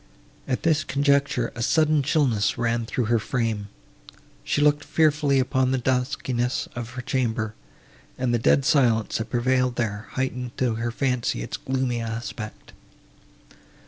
At this conjecture, a sudden chillness ran through her frame; she looked fearfully upon the duskiness of her chamber, and the dead silence, that prevailed there, heightened to her fancy its gloomy aspect.